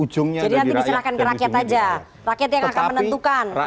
jadi nanti diserahkan ke rakyat aja rakyat yang akan menentukan